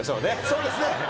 そうですね。